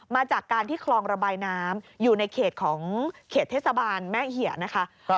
มาจากการที่คลองระบายน้ำอยู่ในเขตของเขตเทศบาลแม่เหี่ยนะคะ